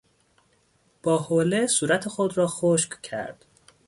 با حوله صورت خود را خشک کرد.